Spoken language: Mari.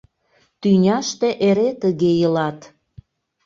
Тӱняште эре тыге илат...